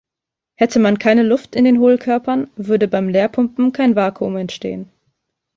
Hätte man keine Luft in den Hohlkörpern, würde beim Leerpumpen kein Vakuum entstehen.